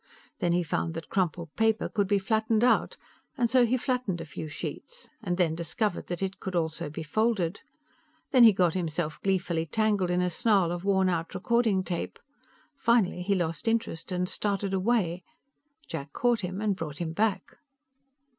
Then he found that crumpled paper could be flattened out and so he flattened a few sheets, and then discovered that it could also be folded. Then he got himself gleefully tangled in a snarl of wornout recording tape. Finally he lost interest and started away. Jack caught him and brought him back.